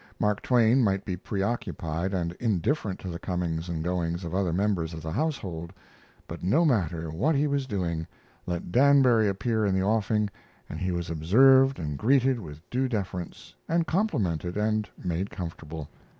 Mark Twain might be preoccupied and indifferent to the comings and goings of other members of the household; but no matter what he was doing, let Danbury appear in the offing and he was observed and greeted with due deference, and complimented and made comfortable.